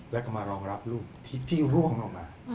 แล้วก็มารองรับลูกที่ร่วงลงมา